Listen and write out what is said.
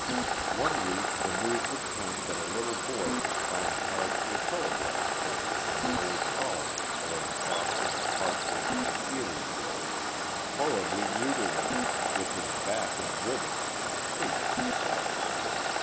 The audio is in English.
One week the news would come that a little boy was found tied to a telegraph pole on the Old Colony or Boston, Hartford and Erie road, horribly mutilated, with his back in ribbons and caked with salt.